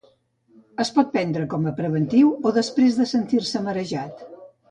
Es pot prendre com preventiu o després de sentir-se marejat.